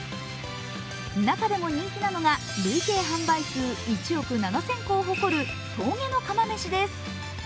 中でも人気なのが累計販売数１億７０００個を誇る峠の釜めしです。